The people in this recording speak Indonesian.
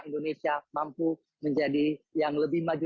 indonesia mampu menjadi yang lebih maju